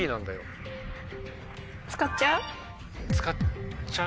使っちゃう？